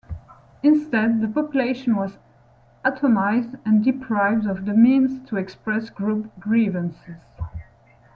Instead, the population was "atomized" and deprived of the means to express group grievances.